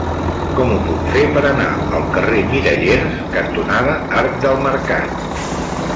Com ho puc fer per anar al carrer Mirallers cantonada Arc del Mercat?